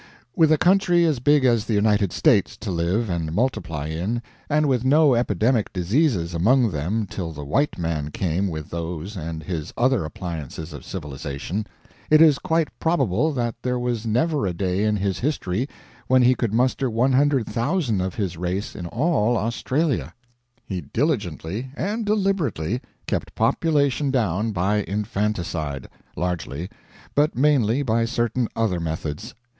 With a country as big as the United States to live and multiply in, and with no epidemic diseases among them till the white man came with those and his other appliances of civilization, it is quite probable that there was never a day in his history when he could muster 100,000 of his race in all Australia. He diligently and deliberately kept population down by infanticide largely; but mainly by certain other methods.